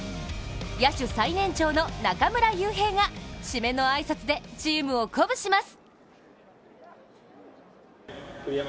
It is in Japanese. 野手最年長の中村悠平が締めの挨拶でチームを鼓舞します。